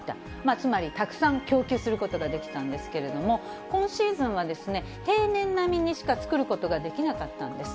つまり、たくさん供給することができたんですけれども、今シーズンは、平年並みにしか作ることができなかったんです。